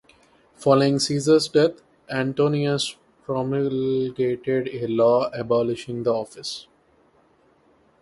Following Caesar's death, Antonius promulgated a law abolishing the office.